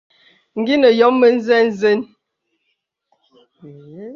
Gəni nə̀ yɔ̄m mə̄zɛ̄ zeŋ.